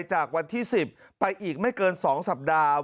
จากวันที่๑๐ไปอีกไม่เกิน๒สัปดาห์